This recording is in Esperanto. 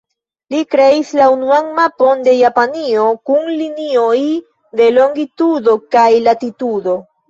Li kreis la unuan mapon de Japanio kun linioj de longitudo kaj latitudo.